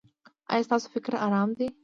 ایا ستاسو فکر ارام دی؟